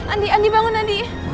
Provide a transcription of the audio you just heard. andi andi bangun andi